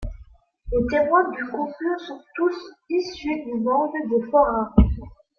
Les témoins du couple sont tous issus du monde des forains.